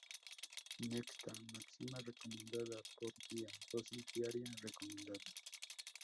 Ingesta máxima recomendada por día|dosis diaria recomendada